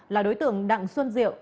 là đối tượng đặng xuân diệu